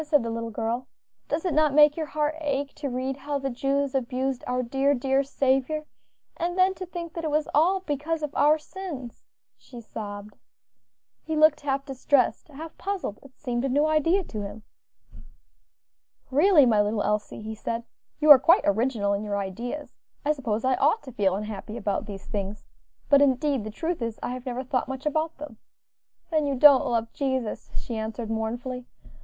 said the little girl, "does it not make your heart ache to read how the Jews abused our dear, dear Saviour? and then to think that it was all because of our sins," she sobbed. He looked half distressed, half puzzled; it seemed a new idea to him. "Really, my little Elsie," he said, "you are quite original in your ideas, I suppose I ought to feel unhappy about these things, but indeed the truth is, I have never thought much about them." "Then you don't love Jesus," she answered, mournfully.